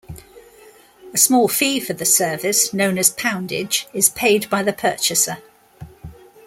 A small fee for the service, known as poundage, is paid by the purchaser.